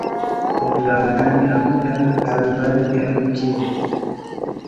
هەڵبژارنەکانی ئەمریکا کاروبارێکی ئەمریکییە